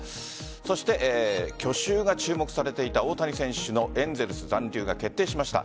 そして去就が注目されていた大谷選手のエンゼルス残留が決定しました。